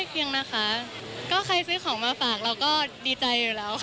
ก็ใกล้เคียงนะคะก็ใครซื้อของมาฝากเราก็ดีใจอยู่แล้ว